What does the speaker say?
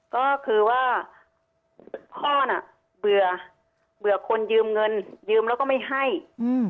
ก็คือว่าพ่อน่ะเบื่อเบื่อคนยืมเงินยืมแล้วก็ไม่ให้อืม